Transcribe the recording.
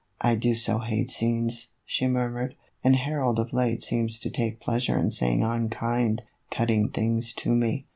" I do so hate scenes," she murmured; "and Harold of late seems to take pleasure in saying unkind, cutting things to me.